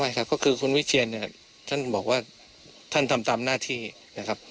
ครับก็คือคุณวิเชียนเนี่ยท่านบอกว่าท่านทำตามหน้าที่นะครับ